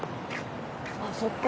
あそっか。